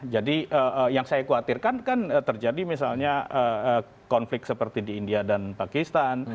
jadi yang saya khawatirkan kan terjadi misalnya konflik seperti di india dan pakistan